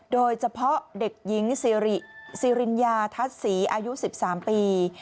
โดยเฉพาะเด็กหญิงซีริญญาทัศน์ศรีอายุ๑๓ปี